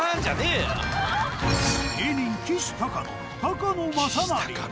芸人きしたかの高野正成。